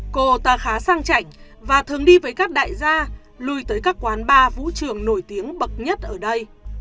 cô ta khá sang chảnh và thường đi với các đại gia lùi tới các quán bar vũ trường nổi tiếng bậc nhất ở đây